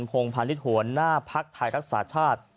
พงษ์พาณิชย์หวนหน้าพักธัยศาสตร์ชาติ